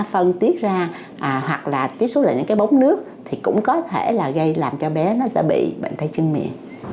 phân tiết ra hoặc là tiếp xúc lại những cái bóng nước thì cũng có thể là gây làm cho bé nó sẽ bị bệnh tay chân miệng